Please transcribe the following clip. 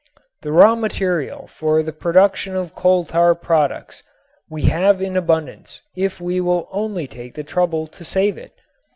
The raw material for the production of coal tar products we have in abundance if we will only take the trouble to save it.